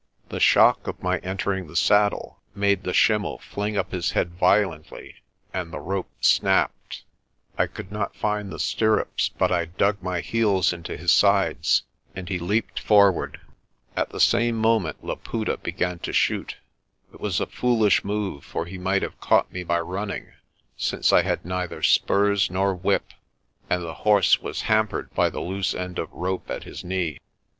The shock of my entering the saddle made the schimmel fling up his head violently, and the rope snapped. I could not find the stirrups but I dug my heels into his sides, and he leaped forward. At the same moment Laputa began to shoot. It was a foolish move, for he might have caught me by running, since I had neither spurs nor whip, and the horse was ham pered by the loose end of rope at his knee.